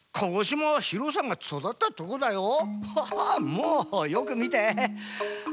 もうよくみて。